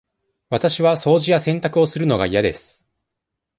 わたしは掃除や洗濯をするのが嫌です。